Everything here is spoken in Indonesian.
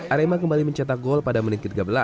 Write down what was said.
arema kembali mencetak gol pada menit ke tiga belas